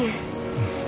うん。